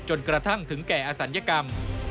จนกระทั่งถึงแก่อศัลยกรรม